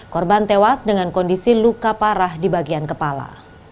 korban tewas dengan kondisi luka parah di bagian kepala